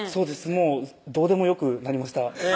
もうどうでもよくなりました